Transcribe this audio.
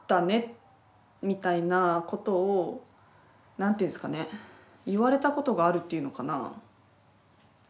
何て言うんですかね言われたことがあるっていうのかな？